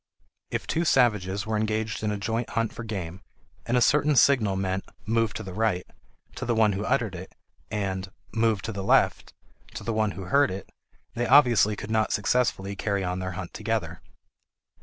If two savages were engaged in a joint hunt for game, and a certain signal meant "move to the right" to the one who uttered it, and "move to the left" to the one who heard it, they obviously could not successfully carry on their hunt together.